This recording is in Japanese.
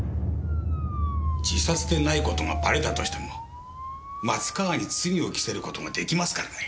自殺でない事がばれたとしても松川に罪を着せる事が出来ますからね。